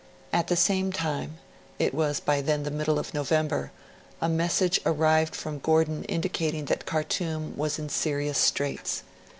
At the same time it was by then the middle of November a message arrived from Gordon indicating that Khartoum was in serious straits.